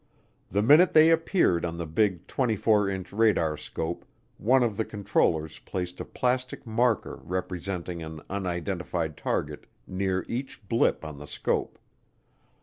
The minute they appeared on the big 24 inch radarscope one of the controllers placed a plastic marker representing an unidentified target near each blip on the scope.